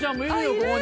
ここに。